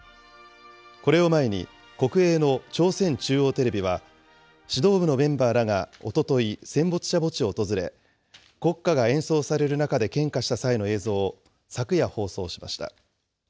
これを前に国営の朝鮮中央テレビは、指導部のメンバーらがおととい、戦没者墓地を訪れ、国歌が演奏される中で献花した際の映像を、昨夜、放送しました。